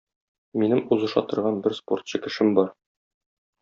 Минем узыша торган бер спортчы кешем бар.